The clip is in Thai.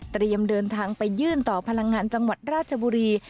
เดินทางไปยื่นต่อพลังงานจังหวัดราชบุรี